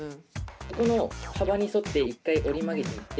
ここの幅に沿って一回折り曲げていって。